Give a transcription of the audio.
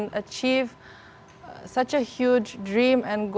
bahwa anda harus mulai percaya pada diri anda sekarang